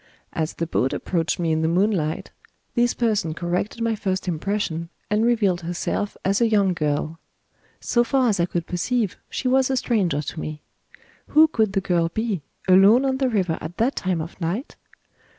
As the boat approached me in the moonlight, this person corrected my first impression, and revealed herself as a young girl. So far as I could perceive she was a stranger to me. Who could the girl be, alone on the river at that time of night?